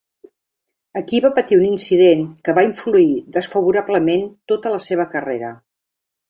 Aquí va patir un incident que va influir desfavorablement tota la seva carrera.